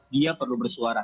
dia perlu bersuara